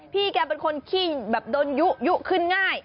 พี่แกเป็นคนขี้แบบโดนยุขึ้นง่าย